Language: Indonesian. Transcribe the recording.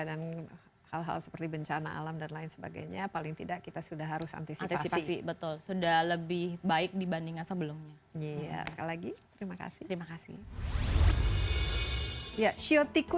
dan hal hal seperti bencana alam dan lain sebagainya paling tidak kita sudah harus antisipasi